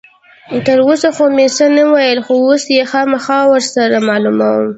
تر اوسه خو مې څه نه ویل، خو اوس یې خامخا ور سره معلوموم.